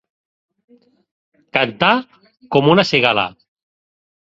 Cantar com una cigala.